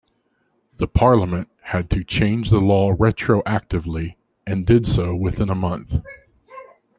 The Parliament had to change the law retroactively, and did so within a month.